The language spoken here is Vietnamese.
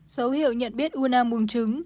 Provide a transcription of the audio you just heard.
dấu hiệu nhận biết u nang bùng trứng